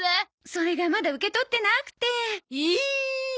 それがまだ受け取ってなくて。